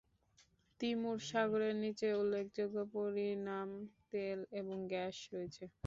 Timur সাগরের নিচে উল্লেখযোগ্য পরিমান তেল এবং গ্যাস রয়েছে।